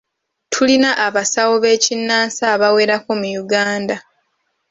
Tulina abasawo b'ekinnansi abawerako mu Uganda.